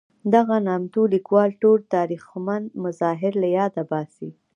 دغه نامتو لیکوال ټول تاریخمن مظاهر له یاده باسي.